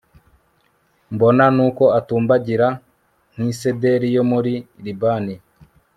mbona n'uko atumbagira nk'isederi yo muri libani